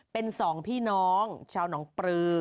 เป็นสองพี่น้องชาวหนองปลือ